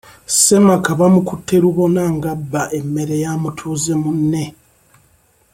Ssemaka bamukutte lubona nga abba emmere ya mutuuze munne.